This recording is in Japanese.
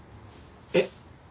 えっ？